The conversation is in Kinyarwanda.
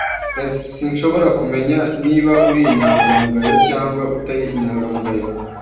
S Sinshobora kumenya niba uri inyangamugayo cyangwa utari inyangamugayo.